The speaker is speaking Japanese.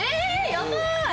やばい！